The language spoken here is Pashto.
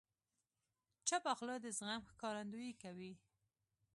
چپه خوله، د زغم ښکارندویي کوي.